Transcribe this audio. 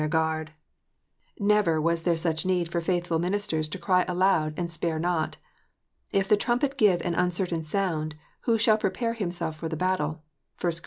389 their guard. Never was there such need for faithful ministers to cry aloud and spare not. " If the trumpet give an uncertain sound, who shall prepare himself for the battle?" (1 Cor.